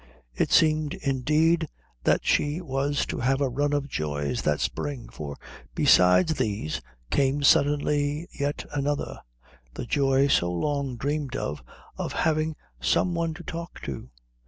It seemed, indeed, that she was to have a run of joys that spring, for besides these came suddenly yet another, the joy so long dreamed of of having some one to talk to.